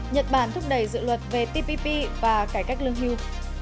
nhật bản thúc đẩy dự luật về tpp và cải cách lương hưu